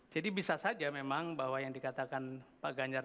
jadi bisa saja memang bahwa yang dikatakan pak ganjar